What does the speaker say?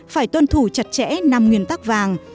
phải tuân thủ chặt chẽ năm nguyên tắc vàng